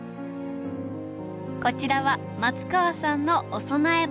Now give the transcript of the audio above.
こちらは松川さんのお供え花。